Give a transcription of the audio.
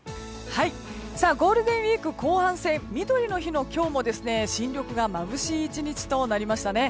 ゴールデンウィーク後半戦みどりの日の今日も、新緑がまぶしい１日となりましたね。